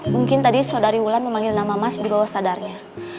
mungkin tadi saudari wulan memanggil nama mas di bawah sadarnya